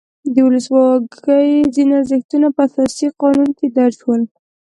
د ولسواکۍ ځینې ارزښتونه په اساسي قانون کې درج شول.